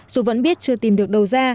dù vẫn biết chưa tìm được đầu ra